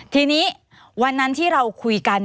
ทีนี้วันนั้นที่เราคุยกัน